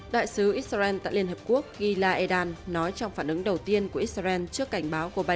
đại sứ israel tại liên hợp quốc gila edan nói trong phản ứng đầu tiên của israel trước cảnh báo của biden